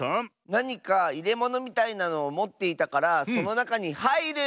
なにかいれものみたいなのをもっていたからそのなかにはいる！